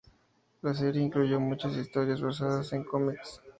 La serie incluyó muchas historias basadas en cómics.